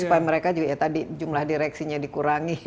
supaya mereka juga ya tadi jumlah direksinya dikurangi